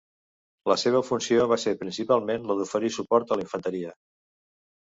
La seva funció va ser principalment la d'oferir suport a la infanteria.